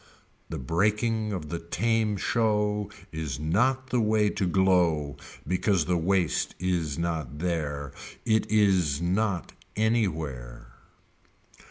The breaking of the tame show is not the way to glow because the waste is not there. It is not any where.